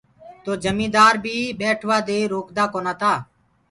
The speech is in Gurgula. تو جميٚندآر بيٚ ٻيٽوآ دي روڪدآ ڪونآ تآ۔